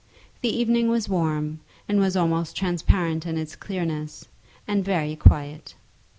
The evening was warm, and almost transparent in its clearness, and very quiet.